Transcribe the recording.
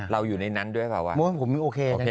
เราอยู่ในนั้นด้วยหรือเปล่าว่า